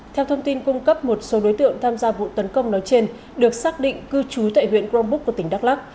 theo thông tin cung cấp một số đối tượng tham gia vụ tấn công nói trên được xác định cư trú tại huyện crong búc của tỉnh đắk lắc